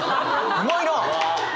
うまいな！